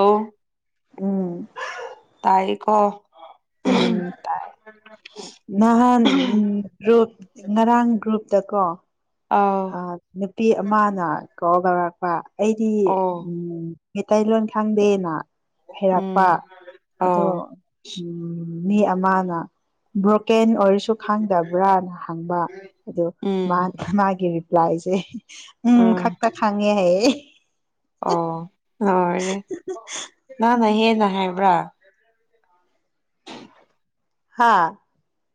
ꯑꯥꯎ ꯎꯝ ꯇꯥꯏ ꯑ ꯎꯝ ꯇꯥꯏ ꯅꯍꯥꯟ ꯒ꯭ꯔꯨꯞ ꯉꯔꯥꯡ ꯒ꯭ꯔꯨꯞꯇꯀꯣ ꯑꯥꯎ ꯑ ꯅꯨꯄꯤ ꯑꯃꯅ ꯀꯧꯒꯧꯔꯛꯄ ꯑꯩꯗꯤ ꯑꯣ ꯎꯝ ꯃꯩꯇꯩꯂꯣꯟ ꯈꯪꯗꯦꯅ ꯎꯝ ꯍꯩꯔꯛꯄ ꯑꯗꯣ ꯑꯧ ꯎꯝ ꯃꯤ ꯑꯃꯅ ꯕ꯭ꯔꯣꯀꯦꯟ ꯑꯣꯏꯔꯁꯨ ꯈꯪꯗꯕ꯭ꯔꯥꯅ ꯍꯪꯕ ꯑꯗꯨ ꯎꯝ ꯃꯥ ꯒꯤ ꯔꯤꯄ꯭ꯂꯥꯏꯁꯦ ꯎꯝ ꯈꯛꯇ ꯈꯪꯉꯦ ꯍꯥꯏ ꯑꯣ ꯂꯣꯏꯔꯦ ꯅꯪꯅ ꯍꯦꯟ ꯅꯥꯏ ꯍꯥꯏꯕ꯭ꯔꯥ ꯍꯥꯥ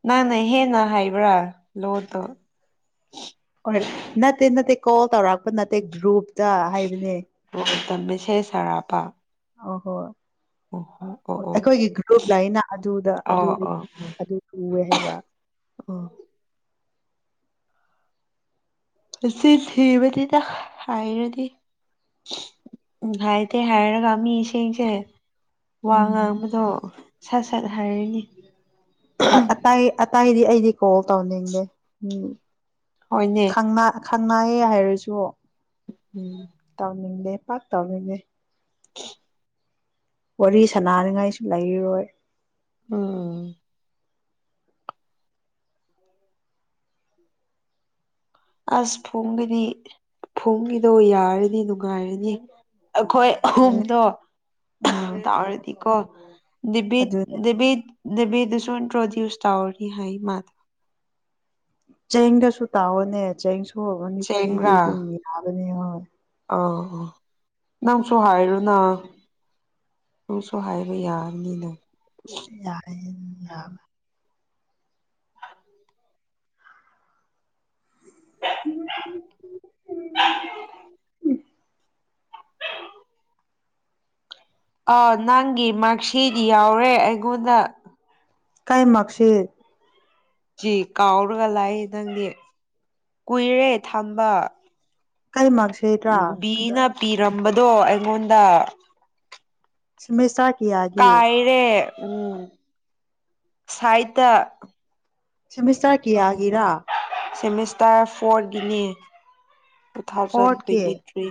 ꯅꯪꯅ ꯍꯦꯟꯅ ꯍꯩꯕ꯭ꯔꯥ ꯂꯣꯟꯗꯣ ꯑꯣꯔ ꯅꯠꯇꯦ ꯅꯠꯇꯦ ꯀꯣꯜ ꯇꯧꯔꯛꯄ ꯅꯠꯇꯦ ꯒ꯭ꯔꯨꯞ ꯇ ꯍꯥꯏꯕꯅꯦ ꯇꯝꯕꯩꯁꯦ ꯁꯥꯔꯥꯞꯄ ꯑꯥ ꯍꯣꯏ ꯑꯣ ꯑꯣ ꯑꯩꯈꯣꯏꯒꯤ ꯒ꯭ꯔꯨꯞ ꯂꯩꯅ ꯑꯗꯨꯗ ꯑꯣ ꯑꯗꯨꯗꯤ ꯎꯏꯌꯦ ꯍꯥꯏ [unintelligible] ꯑ꯫ ꯑꯁꯤ ꯊꯤꯕꯗꯤꯗ ꯍꯥꯏꯔꯗꯤ ꯎꯝ ꯍꯥꯏꯗꯦ ꯍꯥꯏꯔꯒ ꯃꯤꯁꯤꯡꯁꯦ ꯎꯝ ꯋꯥꯉꯥꯡꯕꯗꯣ ꯁꯠ ꯁꯠ ꯍꯥꯏꯔꯅꯤ꯫ ꯑꯇꯩ ꯑꯇꯩꯗꯤ ꯑꯩ ꯀꯣꯜ ꯇꯧꯅꯤꯡꯗꯦ ꯃꯤ ꯍꯣꯏꯅꯦ꯫ ꯈꯪꯅꯌꯦ ꯍꯥꯏꯔꯁꯨ ꯎꯝ꯫ [unintelligible] ꯋꯥꯔꯤ ꯁꯅꯅꯤꯡꯉꯥꯏꯁꯨ ꯂꯩꯔꯔꯣꯏ꯫ ꯎꯝ꯫ ꯑꯁ ꯐꯣꯡꯒꯅꯤ ꯐꯣꯡꯒꯤꯗꯣ ꯌꯥꯔꯅꯤ ꯅꯨꯡꯉꯥꯏꯔꯅꯤ꯫ ꯑꯩꯈꯣꯏ ꯑꯗꯨꯅꯦ ꯑꯍꯨꯝꯗꯣ ꯎꯝ ꯇꯧꯔꯗꯤꯀꯣ ꯗꯦꯕꯤꯠ ꯑꯗꯨꯅꯦ ꯗꯦꯕꯤꯠ ꯗꯦꯕꯤꯗ ꯗꯁꯨ ꯏꯟꯇꯔꯣꯗ꯭ꯌꯨꯁ ꯇꯧꯔꯅꯤ ꯍꯥꯏ ꯃꯥꯗ꯫ ꯆꯦꯡꯗ ꯁꯨ ꯇꯥꯥꯎꯔꯥꯅꯦ ꯆꯦꯡꯁꯨ ꯒꯅꯤ ꯐ꯭ꯔꯤꯗꯤ ꯁꯦꯡꯕ꯭ꯔꯥ ꯗꯨꯝ ꯌꯥꯕꯥ [unintelligible] ꯑꯥꯥ ꯅꯪꯁꯨ ꯍꯥꯏꯔꯨꯅ ꯅꯪꯁꯨ ꯍꯥꯏꯕ ꯌꯥꯔꯅꯤꯅ ꯌꯥꯏ [unintelligible] ꯑꯥ ꯅꯪꯒꯤ ꯃꯥꯔꯛꯁꯤꯗ ꯌꯥꯎꯔꯦ ꯑꯩꯉꯣꯟꯗ꯫ ꯀꯥꯏ ꯃꯥꯔꯛꯁꯤꯠ ꯀꯥꯎꯔꯒ ꯂꯥꯛꯏ ꯅꯪꯗꯤ ꯀꯨꯏꯔꯦ ꯊꯝꯕ ꯫ ꯀꯩ ꯃꯥꯥꯛꯁꯤꯠ ꯔꯥ? ꯇꯝꯕꯗꯣ ꯑꯩꯉꯣꯟꯗ ꯁꯤꯃꯤꯁꯇꯔ ꯀꯌꯥꯒꯤ ꯀꯥꯏꯔꯦ ꯎꯝ ꯁꯥꯏꯠꯇ ꯁꯤꯃꯤꯁꯇꯔ ꯀꯌꯥꯒꯤꯔꯥ? ꯁꯦꯃꯤꯁꯇꯔ ꯐꯣꯔꯒꯤꯅꯤ꯫ ꯇꯨ ꯊꯥꯎꯖꯟ ꯐꯣꯔꯠꯀꯤ ꯇ꯭ꯋꯦꯟꯇꯤ ꯊ꯭ꯔꯤ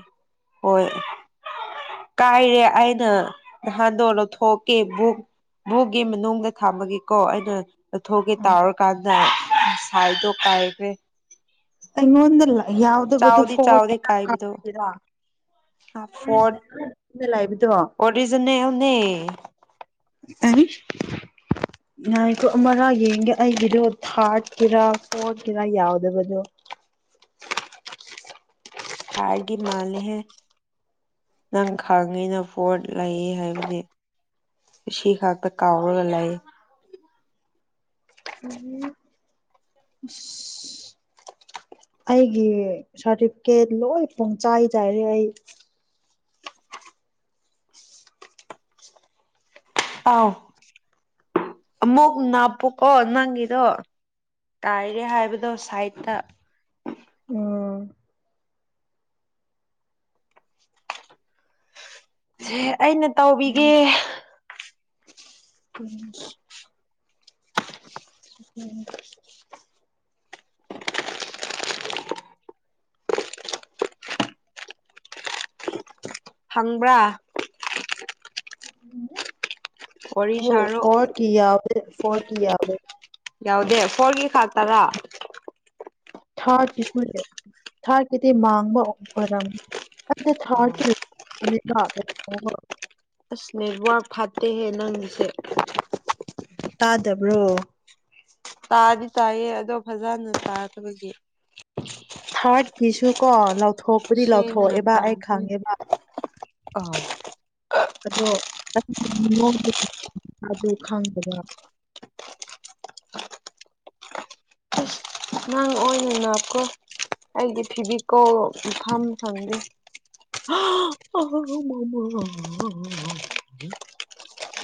ꯍꯣꯏ ꯀꯥꯏꯔꯦ ꯑꯩꯅ ꯅꯍꯥꯟꯗꯣ ꯂꯧꯊꯣꯛꯀꯦ ꯕꯨ ꯕꯨꯛꯒꯤ ꯃꯅꯨꯡꯗ ꯊꯥꯃꯒꯦꯀꯣ ꯑꯩꯅ ꯂꯧꯊꯣꯛ ꯀꯦ ꯑ ꯇꯧꯔ ꯀꯥꯟꯗ ꯁꯥꯏꯗ ꯗꯣ ꯀꯥꯏꯈꯔ꯭ꯦ꯫ ꯑꯩꯉꯣꯟ ꯗ ꯂ ꯌꯥꯎꯗꯕꯗꯨ ꯆꯥꯎꯗꯦ ꯐꯣꯔ ꯀꯥꯏꯕꯗꯣ ꯒꯤꯔ [unintelligible] ꯅꯪꯅ ꯂꯥꯏꯕꯔꯤ ꯑꯣꯔꯤꯖꯤꯟꯅꯦꯜꯅꯦ ꯑꯦ ꯉꯥꯏꯈꯣ ꯑꯃꯔꯥ ꯌꯦꯡꯒꯦ ꯑꯩꯒꯤꯗꯣ ꯊꯥꯔꯠꯀꯤꯔꯥ ꯐꯣꯔꯠꯀꯤꯦꯔꯥ ꯌꯥꯎꯗꯕꯗꯣ ꯊꯥꯔꯠꯒꯤ ꯃꯥꯜꯂꯦꯍꯦ ꯅꯪ ꯈꯪꯉꯤꯅ ꯅꯣꯔꯠ ꯂꯩ ꯍꯥꯏꯕꯗꯤ ꯁꯤ ꯈꯛꯇ ꯀꯥꯎꯔꯒ ꯂꯩ ꯑꯩꯒꯤ ꯁꯥꯔꯇꯤꯐꯤꯀꯦꯠ ꯂꯣꯏ ꯄꯨꯡꯆꯥꯏ ꯆꯥꯏꯔꯦ ꯑꯩ ꯑꯥꯎ ꯑꯃꯨꯛ ꯅꯥꯞꯄꯣꯛꯀꯣ ꯅꯪꯒꯤꯗꯣ ꯇꯥꯏꯔꯦ ꯍꯥꯏꯕꯗꯣ ꯁꯥꯏꯠꯇ ꯎꯝ ꯁꯦ ꯑꯩꯅ ꯇꯧꯕꯤꯒꯦ ꯎꯝ ꯎꯝ ꯍꯪꯕ꯭ꯔꯥ ꯍꯣꯏ ꯐꯣꯔꯠꯀꯤ ꯌꯥꯎꯔꯦ ꯐꯣꯔꯠꯀꯤ ꯌꯥꯎꯔꯦ ꯌꯥꯎꯗꯦ ꯐꯣꯔꯒꯤ ꯈꯥꯛꯇꯔ ꯊꯥꯔꯠꯀꯤꯁꯨ ꯊꯥꯔꯠꯀꯤꯗꯤ ꯃꯥꯡꯕ ꯑꯣꯏꯔꯝ ꯑꯗꯨꯗ ꯊꯥꯔꯠꯀꯤ ꯅꯨꯃꯤꯠꯜ ꯀꯩꯅꯣꯝꯃ ꯑꯁ ꯅꯦꯠꯋꯥꯔꯛ ꯐꯠꯇꯦꯍꯦ ꯅꯪꯁꯦ ꯇꯥꯗꯕ꯭ꯔꯣ ꯇꯥꯗꯤ ꯇꯥꯏꯌꯦ ꯑꯗꯣ ꯐꯖꯅ ꯇꯥꯗꯕꯒꯤ ꯊꯔꯠꯀꯤꯁꯨ ꯊꯣꯛꯄꯨꯗꯤ ꯁꯦꯡꯅ ꯂꯥꯎꯊꯣꯛꯑꯦꯕ ꯑꯩ ꯇꯥꯗꯦ ꯈꯪꯉꯦꯕ ꯑꯗꯣ ꯑꯗꯨ ꯈꯪꯗꯕ ꯑꯉꯥꯡ ꯑꯣꯏꯅꯅꯀꯣ ꯑꯩꯗꯤ ꯐꯤꯕꯤꯀꯣꯜ ꯃꯐꯝ ꯐꯪꯗꯦ ꯑꯥ ꯑ ꯃꯃ ꯎꯝ ꯎ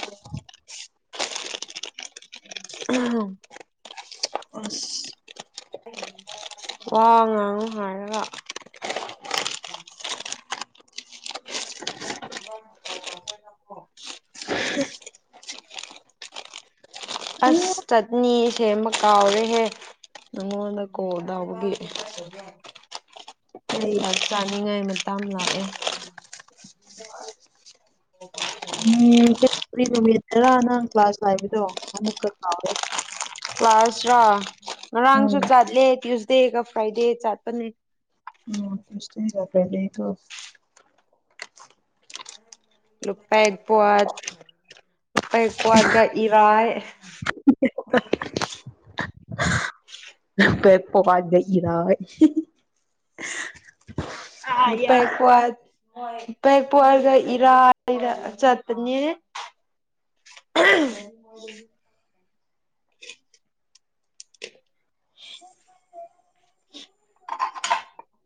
ꯑꯍꯝ ꯑꯁ ꯋꯥ ꯉꯥꯡꯉꯣ ꯍꯥꯏꯔꯒ ꯑꯁ ꯆꯠꯅꯤ ꯁꯦꯝꯃ ꯀꯥꯎꯔꯦꯍꯦ ꯅꯉꯣꯟꯗ ꯀꯣꯜ ꯇꯧꯕꯒꯤ ꯀꯩ ꯆꯥꯛ ꯆꯥꯅꯤꯉꯥꯏ ꯃꯇꯝ ꯇꯝ ꯂꯥꯛꯑꯦ ꯎꯝ ꯀꯩ ꯅꯨꯃꯤꯠ ꯇꯔꯥ ꯅꯪ ꯀ꯭ꯂꯥꯁ ꯐꯥꯏꯕꯗꯣ ꯑꯃꯨꯛꯀ ꯀꯥꯎꯔꯦ ꯀ꯭ꯂ꯭ꯥꯁꯔ ꯉꯔꯥꯡꯁꯨ ꯎꯝ ꯆꯠꯂꯦ ꯇꯨꯏꯗꯦ ꯃꯟꯗꯦꯒ ꯐ꯭ꯔꯥꯏꯗꯦ ꯆꯠꯄꯅꯦ ꯎꯝ ꯊꯥꫪꯁꯗꯦ ꯁꯇꯔꯗꯦꯗꯣ ꯂꯨꯞꯄꯦꯡꯄꯣꯠ ꯂꯨꯄꯦꯟꯄꯣꯠꯀ ꯏꯔꯥꯏ ꯎꯝ ꯄꯦꯞ ꯄꯣꯕꯥꯏꯟ ꯏꯔꯒ ꯅꯨꯄꯩꯄꯣꯠ ꯄꯦꯛ ꯄꯣꯛꯑꯔꯒ ꯏꯔꯥꯏꯅ ꯆꯠꯄꯅꯦ [inaudible] [inaudible]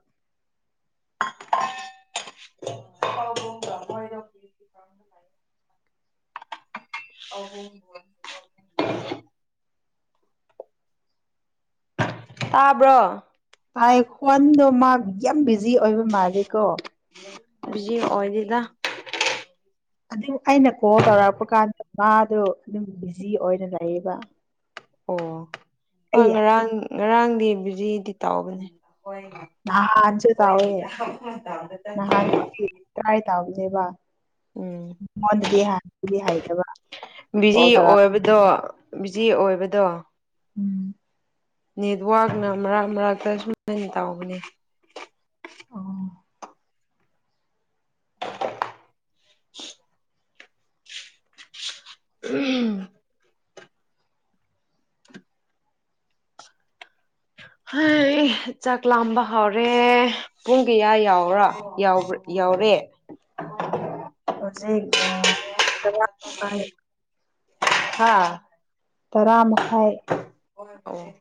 ꯇꯥꯕ꯭ꯔꯣ ꯇꯥꯏ ꯈ꯭ꯋꯥꯟꯗꯣ ꯃꯥ ꯌꯥꯝ ꯕꯤꯖ ꯖꯤ ꯑꯣꯏꯕ ꯃꯥꯂꯤ ꯀꯣ ꯕꯤꯖꯤ ꯑꯣꯏꯗꯤꯗ ꯑꯗꯨ ꯑꯩꯅ ꯀꯣꯜ ꯇꯧꯔꯛꯄ ꯀꯥꯟꯗ ꯃꯥꯗꯣ ꯑꯗꯨꯝ ꯕꯤꯖꯤ ꯑꯣꯏꯅ ꯂꯩꯌꯦꯕ ꯑꯣ ꯍꯣꯏ ꯑꯩ ꯉꯔꯥꯡ ꯉꯔꯥꯡꯗꯤ ꯖꯤ ꯇꯥꯎꯕꯅꯦ ꯅꯍꯥꯟꯁꯨ ꯇꯥꯎꯋꯦ ꯅꯍꯥꯟꯁꯨ ꯑꯩ ꯇ꯭ꯔꯥꯏ ꯇꯥꯎꯏꯅꯦꯕ ꯎꯝ ꯃꯉꯣꯟꯗꯗꯤꯥꯟ ꯍꯥꯏ ꯑꯦꯕ ꯕꯤꯖꯤ ꯑꯣꯏꯕꯗꯣ ꯖꯤ ꯑꯣꯏꯕꯗꯣ ꯎꯝ ꯅꯦꯠꯋꯥꯛꯅ ꯃꯔꯛ ꯃꯔꯥꯛꯛꯇꯁꯨꯃꯥꯏ ꯇꯥꯎꯕꯅꯤ ꯑꯣ [inaudible] ꯎꯍꯝ ꯍꯩ ꯆꯥꯛ ꯂꯥꯝꯕ ꯍꯥꯎꯔꯦ ꯄꯨꯡ ꯀꯌꯥ ꯌꯥꯎꯔꯥ ꯌꯥꯎꯕ ꯌꯥꯎꯔꯦ ꯍꯧꯖꯤꯛ ꯑ ꯀꯌꯥꯝ ꯄꯥꯏ ꯍꯥꯥ ꯇꯔꯥ ꯃꯈꯥꯏ ꯑꯣ ꯑꯣ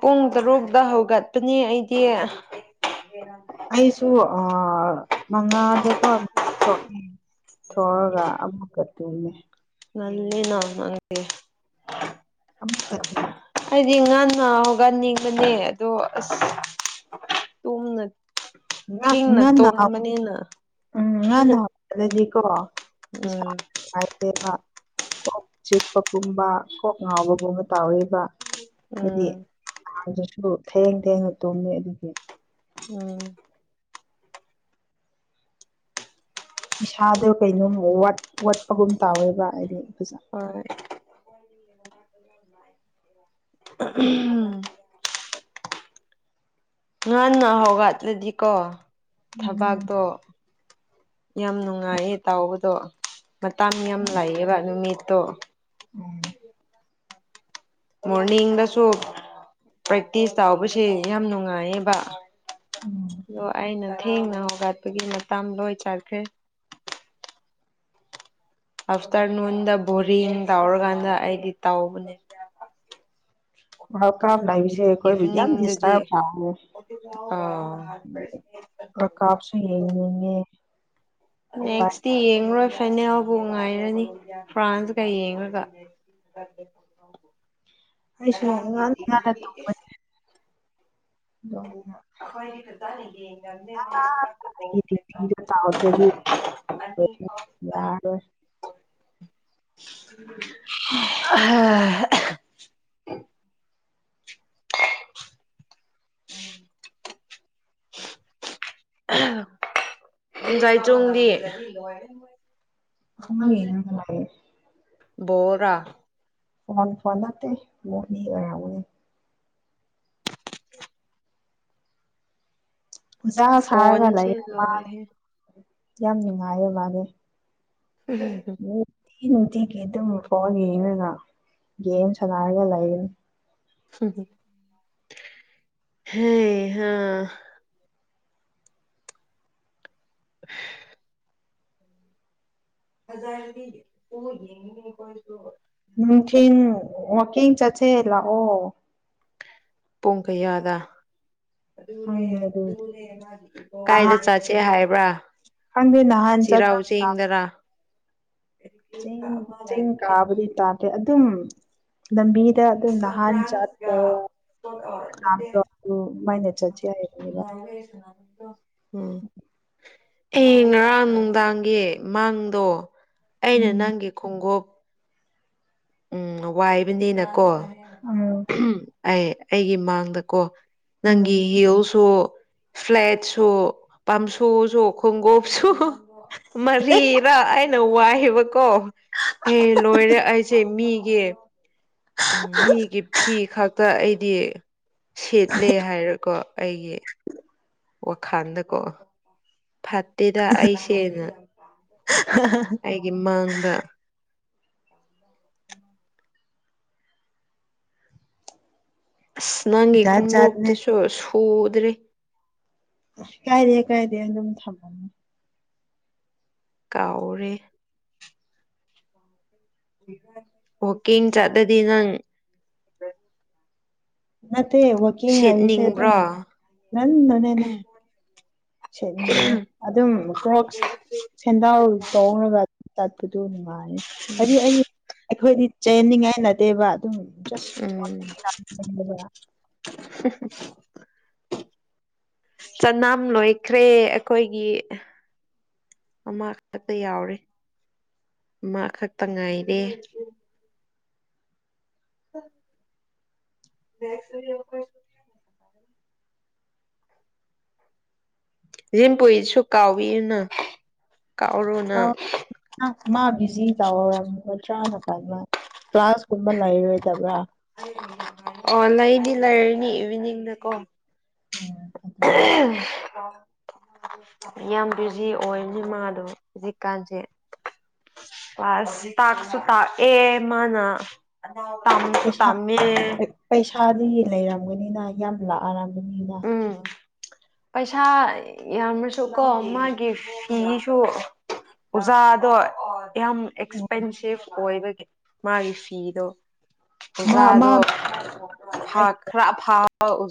ꯄꯨꯡ ꯇꯔꯨꯛꯇ ꯍꯧꯒꯠꯄꯅꯤ ꯑꯩꯗꯤ ꯑꯩꯁꯨ ꯑꯥ ꯃꯉꯥꯗꯀꯣ ꯃꯤꯀꯞ ꯊꯣꯛꯑꯦ ꯊꯣꯛꯑꯒ ꯑꯃꯨꯛꯀ ꯇꯨꯃꯤ ꯉꯜꯂꯤꯅ ꯅꯪꯗꯤ ꯑꯃꯨꯛꯀ ꯅꯤꯡꯉꯟꯅ ꯍꯧꯒꯠꯅꯤꯡꯕꯅꯦ ꯑꯗꯣ ꯑꯁ ꯇꯨꯝꯅ ꯉꯥ ꯊꯦꯡꯅ ꯉꯟꯅ ꯇꯨꯝꯕꯅꯤꯅ ꯎꯝ ꯉꯟꯅ ꯍꯧꯒꯠꯂꯗꯤꯀꯣ ꯄꯤꯁꯥ ꯎꯝ ꯄꯥꯏꯗꯦꯕ ꯀꯣꯛ ꯆꯤꯛꯄꯒꯨꯝꯕ ꯀꯣꯛ ꯉꯥꯎꯕꯒꯨꯝꯕ ꯇꯥꯎꯔꯤꯕ ꯍꯥꯏꯗꯤ ꯎꯝ ꯑꯗꯨꯁꯨ ꯊꯦꯡ ꯊꯦꯡꯅ ꯇꯨꯝꯃꯦ ꯑꯗꯨꯒꯤ ꯎꯝ ꯏꯁꯥꯗꯣ ꯀꯩꯅꯣꯝ ꯋꯥꯠ ꯋꯥꯠꯄꯒꯨꯝ ꯇꯧꯋꯦꯕ ꯑꯩꯗꯤ꯫ ꯐꯖ ꯍꯣꯏ ꯎꯝ ꯉꯟꯅ ꯍꯧꯒꯠꯂꯗꯤꯀꯣ ꯎꯝ ꯊꯕꯥꯛꯇꯣ ꯌꯥꯝ ꯅꯨꯡꯉꯥꯏꯌꯦ ꯇꯥꯎꯕꯗꯣ ꯃꯇꯝ ꯌꯥꯝ ꯂꯩꯌꯦꯕ ꯅꯨꯃꯤꯠ ꯇꯣ ꯎꯝ ꯃꯣꯔꯅꯤꯡꯗꯁꯨ ꯄ꯭ꯔꯦꯛꯇꯤꯁ ꯇꯧꯕꯁꯦ ꯌꯥꯝ ꯅꯨꯡꯉꯥꯏꯌꯦꯕꯥ ꯎꯝ ꯗꯣ ꯑꯩꯅꯥ ꯊꯦꯡꯅ ꯍꯧꯒꯠꯄꯒꯤ ꯃꯇꯝ ꯂꯣꯏ ꯆꯠꯈ꯭ꯔꯦ꯫ ꯑꯐꯇꯔ ꯅꯨꯟꯗ ꯕꯣꯔꯤꯡ ꯇꯥꯎꯔꯀꯥꯟꯗ ꯑꯩꯗꯤ ꯇꯥꯎꯕꯅꯦ꯫ [unintelligible] ꯁꯤꯁꯦ ꯑꯩꯈꯣꯏꯕꯨ ꯌꯥꯝ ꯏꯚꯤꯅꯤꯡꯗꯗꯤ ꯗꯤꯁꯇꯔꯕ ꯇꯥꯋꯦ ꯑꯥ ꯄ꯭ꯔꯀꯥꯞꯁꯨ ꯌꯦꯡꯅꯤꯡꯉꯦ ꯎꯄꯥꯏ ꯅꯦꯛꯁ ꯌꯦꯡ ꯔꯣꯏ꯫ ꯐꯥꯏꯅꯦꯜꯕꯨ ꯉꯥꯏꯔꯅꯤ ꯐ꯭ꯔꯥꯟꯁꯀ ꯌꯦꯡꯉꯒ꯫ ꯑꯩꯁꯨꯨ ꯉꯥꯡ ꯉꯅ ꯊꯣꯡꯕꯅꯦ [unintelligible] [unintelligible] [unintelligible] [unintelligible] [unintelligible] [unintelligible] ꯒꯥꯏ ꯆꯣꯡꯗꯤ ꯄꯨꯡ ꯌꯦꯡ ꯔꯒꯥ ꯂꯥꯀ ꯕꯔ‌ꯣꯔꯥ ꯐꯣꯟ ꯐꯣꯟ ꯅꯠꯇꯦ [unintelligible] ꯑꯣꯏꯔꯝꯒꯅꯤ ꯖꯥ ꯁꯥꯔꯒꯥ ꯂꯩ ꯐꯣꯟꯁꯦ ꯌꯦ ꯃꯥꯗꯤ ꯂꯣꯏꯔꯦꯍꯦ ꯌꯥꯝ ꯅꯨꯡꯉꯥꯏꯌꯦ ꯃꯥꯗꯤ꯫ [unintelligible] ꯅꯨꯡꯇꯤ ꯅꯨꯡꯇꯤꯒꯤ ꯑꯗꯨꯝꯕ ꯐꯣꯟ ꯌꯦꯡꯔꯒ ꯒꯦꯝ ꯁꯥꯟꯅꯔꯒ ꯂꯩꯔꯅꯤ꯫ ꯍꯦ ꯍꯥ [unintelligible] [unintelligible] ꯅꯨꯡꯊꯤꯟ ꯋꯥꯀꯤꯡ ꯆꯠ ꯁꯦ ꯂꯥꯑꯣ ꯄꯨꯡ ꯀꯩꯌꯥꯗꯥ ꯈꯪꯗꯦ ꯑꯗꯨꯗꯤ ꯀꯥꯏꯗ ꯅꯍꯥꯟ ꯆꯥꯁꯦ ꯍꯥꯏꯕ꯭ꯔꯥ ꯈꯪꯗꯦ ꯅꯍꯥꯟ ꯆꯤꯔꯥꯎꯆꯤꯡꯗꯔꯥ ꯆꯦꯡ ꯆꯦꯡ ꯀꯥꯕꯗꯤ ꯇꯥꯗꯦ ꯑꯗꯨꯝ ꯂꯝꯕꯤ ꯗ ꯑꯗꯨꯝ ꯅꯍꯥꯟ ꯆꯠꯄ ꯃꯝꯗꯣ ꯑꯗꯨꯃꯥꯏꯅ ꯆꯠꯁ ꯍꯥꯏꯕꯅꯤꯗ ꯎꯝ ꯑꯦ ꯉꯔꯥꯡ ꯅꯨꯡꯗꯥꯡꯒꯤ ꯃꯥꯡꯗꯣ ꯑꯩꯅ ꯎꯝ ꯅꯪꯒꯤ ꯈꯣꯡꯒꯨꯞ ꯎꯝ ꯋꯥꯏꯕꯅꯤꯅ ꯀꯣ ꯎꯝ ꯑꯩ ꯑꯩꯒꯤ ꯃꯥꯡꯗꯀꯣ ꯎꯝ ꯅꯪꯒꯤ ꯍꯤꯜꯁꯨ ꯐ꯭ꯂꯦꯠ ꯁꯨ ꯄꯥꯝꯁꯨ ꯁꯨ ꯈꯣꯡꯒꯣꯞꯁꯨ ꯃꯔꯤꯔꯥ ꯑꯩ ꯅ ꯋꯥꯍꯦꯕ ꯀꯣ ꯑꯩꯅ ꯂꯣꯏꯔ ꯑꯩ ꯃꯤꯒꯤ ꯎꯝ ꯃꯤꯒꯤ ꯐꯤ ꯈꯥꯛꯇ ꯑꯩꯗꯤ ꯁꯦꯠꯂꯦ ꯍꯥꯏꯔꯀꯣ ꯑꯩꯒꯤ ꯋꯥꯈꯥꯟꯗꯀꯣ ꯐꯥꯠꯇꯦꯗ ꯑꯩꯁꯦ ꯅ ꯑꯩꯒꯤ ꯃꯥꯡꯗ ꯑꯁ ꯅꯪꯒꯤ ꯖꯥꯠ ꯀꯨꯝꯒꯨꯞ ꯖꯥꯠꯅꯦ ꯇꯨꯁꯨ ꯁꯨ ꯎꯗ꯭ꯔꯦ ꯑꯁ ꯀꯥꯏꯗꯦ ꯀꯥꯏꯗꯦ ꯑꯗꯨꯝ ꯊꯝꯃꯝꯃꫭ ꯀꯥꯎꯔꯦ ꯋꫭꯀꯤꯡ ꯆꯠꯂꯗꯤ ꯅꯪ ꯅꯠ ꯋꯥꯀꯤꯡ ꯍꯥꯏꯕꯁꯦ ꯑꯗꯨꯝ ꯁꯦꯠꯅꯤꯡꯕ꯭ꯔꯣ ꯉꯟꯅꯅꯦꯅ ꯁꯦꯠꯅꯤꯡꯉꯦ ꯑꯗꯨꯝ ꯀ꯭ꯔꯣꯛꯁ ꯁꯦꯟꯗꯜ ꯇꫭꯡꯔꯒ ꯇꯠꯄꯗꯨ ꯅꯨꯡꯉꯥ ꯍꯥꯏꯗꯤ ꯑꯩꯗꯤ ꯑꯩꯈꯣꯏꯗꯤ ꯆꯦꯟꯅꯤꯡꯉꯥꯏ ꯅꯗꯦꯕ ꯑꯗꯨꯁ [unintelligible] ꯆꯅꯝ ꯂꯣꯏꯈ꯭ꯔꯦ ꯑꯩꯈꯣꯏꯒꯤ ꯃꯥ ꯈꯛꯇ ꯌꯥꯎꯔꯦ ꯑꯃꯥ ꯈꯛꯇ ꯉꯥꯏꯔꯦ ꯎꯝ [unintelligible] [unintelligible] ꯀꯥꯎꯕꯤꯌꯨꯅ ꯀꯥꯎꯔꯣꯅ ꯑ ꯃꯥꯕꯤꯁꯤ ꯇꯧꯔꯝꯒꯗ꯭ꯔꯥ ꯅꯥ ꯀꯜꯅ ꯀ꯭ꯂꯥꯁ ꯀꯨꯝꯕ ꯂꯩꯔꯣꯏꯗꯕ꯭ꯔꯥ ꯑꯣ ꯂꯩꯅꯤ ꯂꯩꯔꯅꯤ ꯏꯚꯤꯅꯤꯡꯗꯀꯣ ꯎꯝ ꯑꯗꯨꯅꯦ [unintelligible] ꯌꯥꯝ ꯕꯤꯖꯤ ꯑꯣꯏꯅꯦ ꯃꯥꯗꯣ ꯍꯧꯖꯤꯛꯀꯥꯟꯁꯦ ꯀ꯭ꯂꯥꯁ ꯇꯥꯛꯁꯨ ꯇꯥꯛꯑꯦ ꯃꯥꯅ ꯇꯝꯁꯨ ꯇꯝꯃꯦ ꯁꯥꯗꯤ ꯂꯩꯔꯝꯒꯅꯤꯅ ꯌꯥꯝ ꯂꯥꯛꯑꯔ ꯗ ꯎꯝ ꯄꯩꯁꯥ ꯌꯥꯝꯃꯁꯨ ꯀꯣ ꯃꯥꯒꯤ ꯐꯤꯁꯨ ꯑꯣꯖꯥꯗꯣ ꯌꯥꯝ ꯑꯦꯛꯁꯄꯦꯟꯁꯤꯞ ꯑꯣꯏꯕꯒꯤ ꯃꯥꯒꯤ ꯐꯤꯗꯣ ꯃꯥ ꯃꯥ ꯑꯣꯖꯥꯗꯣ ꯐꯥ ꯈꯔ ꯑꯐꯥ ꯑꯣ ꯑꯣꯖꯥ